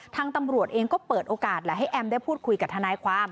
ทางตำรวจเองก็เปิดโอกาสและให้แอมได้พูดคุยกับทนายความ